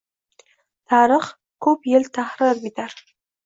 Tarix ko’p yil tahqir bitar